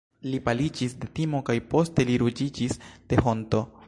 Li paliĝis de timo kaj poste li ruĝiĝis de honto.